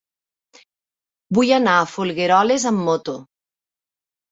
Vull anar a Folgueroles amb moto.